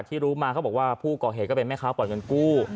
ตอนที่รู้มาเขาบอกว่าภูกรเหตุก็เป็นแม่คะหน่อยการกู้